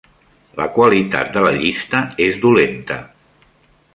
La qualitat de la llista és dolenta.